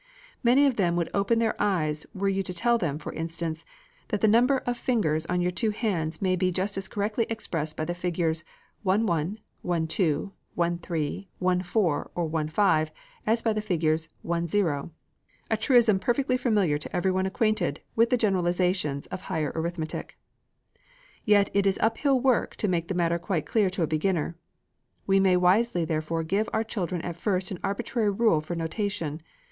Many of them would open their eyes were you to tell them, for instance, that the number of fingers on your two hands may be just as correctly expressed by the figures 11, 12, 13, 14, or 15, as by the figures 10, a truism perfectly familiar to every one acquainted with the generalizations of higher arithmetic. Yet it is up hill work to make the matter quite clear to a beginner. We may wisely therefore give our children at first an arbitrary rule for notation.